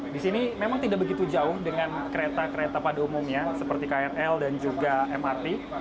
di sini memang tidak begitu jauh dengan kereta kereta pada umumnya seperti krl dan juga mrt